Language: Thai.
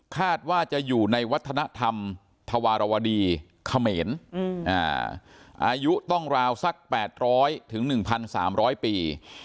คาดว่าจะอยู่ในวัฒนธรรมธวารวดีเขมรอายุต้องราวสัก๘๐๐๑๓๐๐ปี